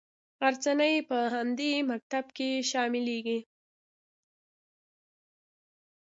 غرڅنۍ په همدې مکتب کې شاملیږي.